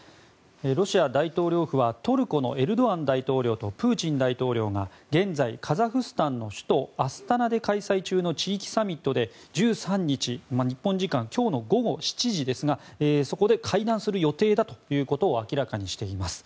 ロシア大統領府はトルコのエルドアン大統領とプーチン大統領が現在カザフスタンの首都アスタナで開催中の地域サミットで、１３日日本時間今日の午後７時ですがそこで会談する予定だということを明らかにしています。